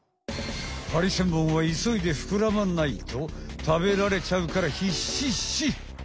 ハリセンボンはいそいでふくらまないと食べられちゃうからひっしっし！